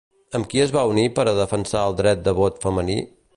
Amb qui es van unir per a defensar el dret de vot femení?